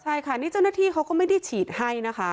ใช่ค่ะนี่เจ้าหน้าที่เขาก็ไม่ได้ฉีดให้นะคะ